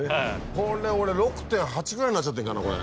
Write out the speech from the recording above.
これ俺６．８ぐらいになっちゃってんかなこれ。